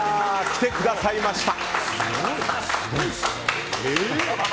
来てくださいました。